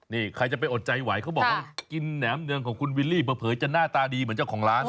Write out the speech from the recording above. นี่ใครจะไปอดใจไหวเขาบอกว่ากินแหนมเนืองของคุณวิลลี่เผลอจะหน้าตาดีเหมือนเจ้าของร้าน